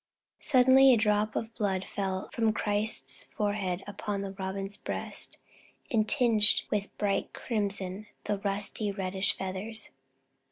Suddenly a drop of blood fell from Christ's forehead upon the Robin's breast and tinged with bright crimson the rusty reddish feathers.